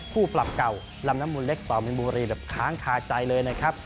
ผู้ปลับเก่ารำน้ำหมูเล็กต่อมีมรีดทำขางคาใจเลยคับ